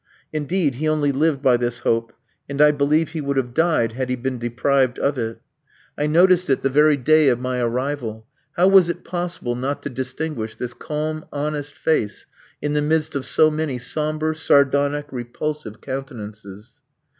Indeed, he only lived by this hope, and I believe he would have died had he been deprived of it. I noticed it the very day of my arrival. How was it possible not to distinguish this calm, honest face in the midst of so many sombre, sardonic, repulsive countenances!